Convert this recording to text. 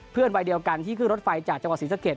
วัยเดียวกันที่ขึ้นรถไฟจากจังหวัดศรีสะเกด